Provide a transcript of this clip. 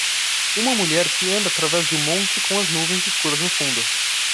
Uma mulher que anda através de um monte com as nuvens escuras no fundo.